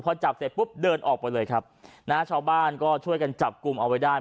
พอจับเสร็จปุ๊บเดินออกไปเลยครับนะฮะชาวบ้านก็ช่วยกันจับกลุ่มเอาไว้ได้